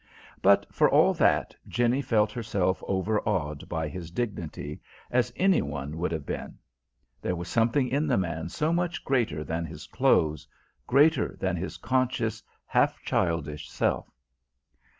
But, for all that, Jenny felt herself overawed by his dignity, as any one would have been: there was something in the man so much greater than his clothes, greater than his conscious, half childish self.